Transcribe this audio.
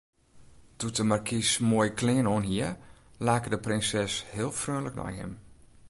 Doe't de markys de moaie klean oanhie, lake de prinses heel freonlik nei him.